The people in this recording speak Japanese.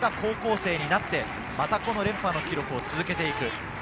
その小学生が高校生になって、この連覇の記録を続けていく。